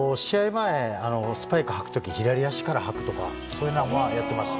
前、スパイク履くとき、左足から履くとか、そういうのはやってました。